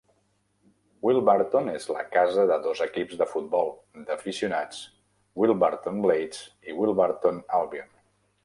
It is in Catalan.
Wilburton és la casa de dos equips de futbol d'aficionats, Wilburton Blades i Wilburton Albion.